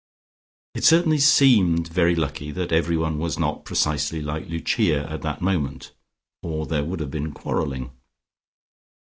It certainly seemed very lucky that everyone was not precisely like Lucia at that moment, or there would have been quarrelling.